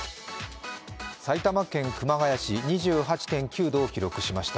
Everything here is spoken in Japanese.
埼玉県熊谷市、２８．９度を記録しました。